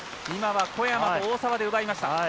今は小山と大澤で奪いました。